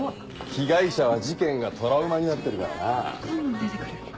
被害者は事件がトラウマになってるからな。